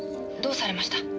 どうされました？